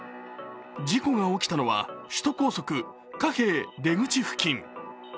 事故が起きたのは首都高速・加平出口付近。